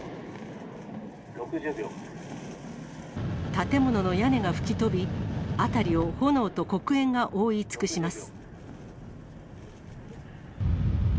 建物の屋根が吹き飛び、辺りを炎と黒煙が覆い尽くします。